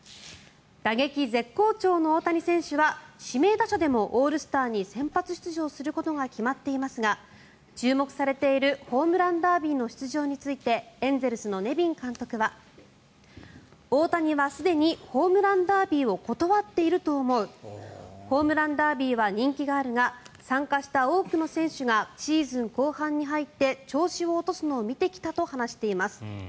打撃絶好調の大谷選手は指名打者でもオールスターに先発出場することが決まっていますが注目されているホームランダービーの出場についてエンゼルスのネビン監督は大谷は、すでにホームランダービーを断っていると思うホームランダービーは人気があるが参加した多くの選手がシーズン後半に入って調子を落とすのを見てきたと話しています。